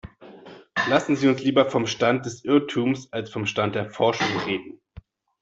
Lassen Sie uns lieber vom Stand des Irrtums als vom Stand der Forschung reden.